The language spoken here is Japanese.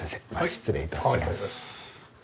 失礼いたします。